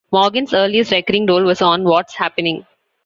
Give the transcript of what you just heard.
Morgan's earliest recurring role was on What's Happening!!